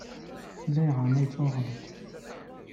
Ulayɣer ma yettwaɣellet.